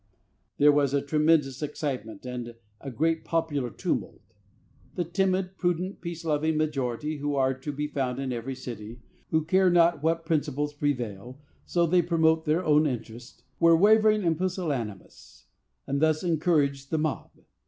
There was a tremendous excitement, and a great popular tumult. The timid, prudent, peace loving majority, who are to be found in every city, who care not what principles prevail, so they promote their own interest, were wavering and pusillanimous, and thus encouraged the mob.